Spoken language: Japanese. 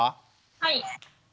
はい。